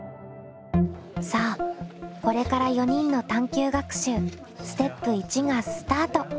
さあこれから４人の探究学習ステップ１がスタート！